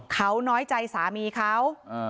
เขาน้อยใจสามีเขา